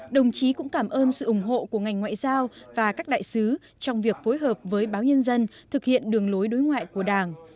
đồng chí cũng cảm ơn sự ủng hộ của ngành ngoại giao và các đại sứ trong việc phối hợp với báo nhân dân thực hiện đường lối đối ngoại của đảng